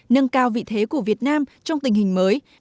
nâng cao vị thế của việt nam trong tình hình mới